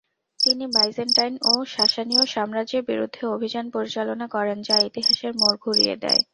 তিনি বাইজেন্টাইন ও সাসানীয় সাম্রাজ্যের বিরুদ্ধে অভিযান পরিচালনা করেন যা ইতিহাসের মোড় ঘুরিয়ে দেয়।